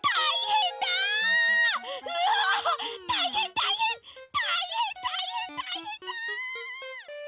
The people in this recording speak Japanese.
うわあったいへんたいへんたいへんたいへんたいへんだ！